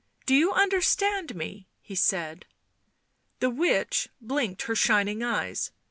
"Do you understand me?" he said. The witch blinked her shining eyes.